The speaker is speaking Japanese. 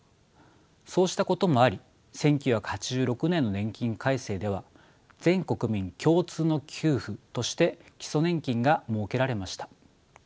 そうしたこともあり１９８６年の年金改正では全国民共通の給付として基礎年金が設けられました。